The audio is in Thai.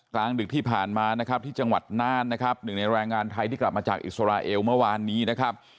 กลางดึกที่ผ่านมานะครับที่จังหวัดน่านนะครับหนึ่งในแรงงานไทยที่กลับมาจากอิสราเอลเมื่อวานนี้นะครับ